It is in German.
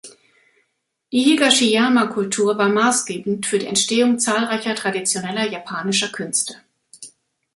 Die Higashiyama-Kultur war maßgebend für die Entstehung zahlreicher traditioneller japanischer Künste.